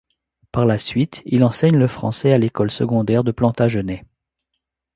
Par la suite, il enseigne le français à l’École secondaire de Plantagenet.